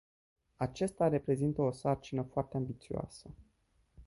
Acesta reprezintă o sarcină foarte ambițioasă.